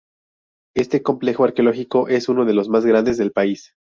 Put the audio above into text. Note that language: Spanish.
Este complejo arqueológico es uno de los más grandes del país.